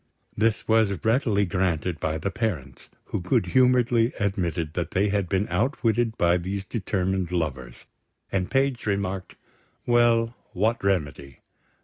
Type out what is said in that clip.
This was readily granted by the parents, who good humouredly admitted that they had been outwitted by these determined lovers; and Page remarked: Well, what remedy?